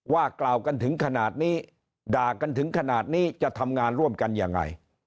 ว่ากล่าวกันถึงขนาดนี้ด่ากันถึงขนาดนี้จะทำงานร่วมกันยังไง